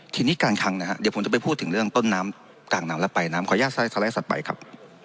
ทีนี้การคังนะครับเดี๋ยวผมจะไปพูดถึงเรื่องต้นน้ำต่างน้ำและไปน้ำขออนุญาตสาหร่ายสัตว์ไปครับ